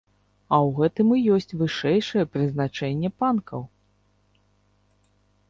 А ў гэтым і ёсць вышэйшае прызначэнне панкаў!